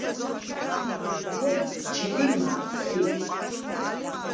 ხეხვ ჯირიმა̄ სი?